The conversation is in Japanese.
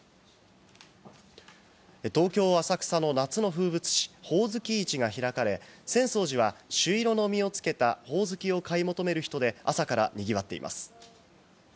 東京・浅草の夏の風物詩、ほおずき市が開かれ、浅草寺は朱色の実をつけたホオズキを買い求める人で、朝から賑わっています。